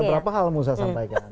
masih ada berapa hal mau saya sampaikan